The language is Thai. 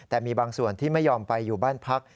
แต่มีบางส่วนที่ไม่ยอมไปอยู่บ้านพัก